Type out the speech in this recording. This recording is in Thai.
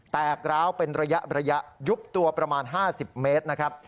กร้าวเป็นระยะยุบตัวประมาณ๕๐เมตรนะครับ